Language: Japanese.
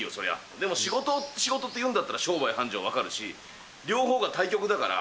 でも仕事、仕事って言うんだったら、商売繁盛分かるし、両方が対極だから。